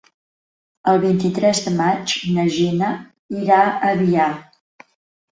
El vint-i-tres de maig na Gina irà a Biar.